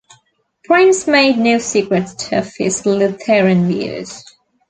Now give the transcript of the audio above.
The prince made no secret of his Lutheran views.